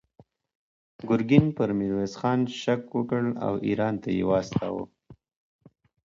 ګورګین پر میرویس خان شک وکړ او ایران ته یې واستاوه.